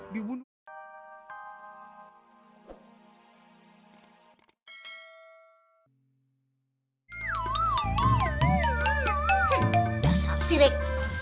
heh udah sab si rik